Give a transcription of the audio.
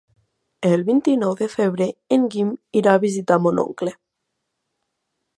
El vint-i-nou de febrer en Guim irà a visitar mon oncle.